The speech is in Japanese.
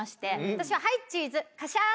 私ははいチーズカシャ。